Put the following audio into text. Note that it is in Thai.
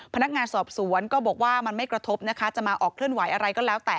พนักงานสอบสวนก็บอกว่ามันไม่กระทบนะคะจะมาออกเคลื่อนไหวอะไรก็แล้วแต่